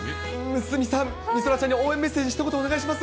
鷲見さん、みそらちゃんに応援メッセージ、ひと言お願いします。